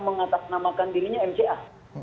mengetaknamakan dirinya mca